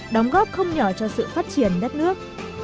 đóng góp không nhỏ cho sự phát triển đất nước